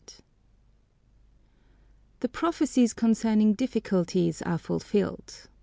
THE prophecies concerning difficulties are fulfilled.